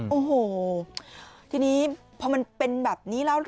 โอ้โหทีนี้พอมันเป็นแบบนี้แล้ว